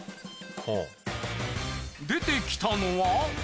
出てきたのは。